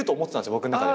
僕の中で。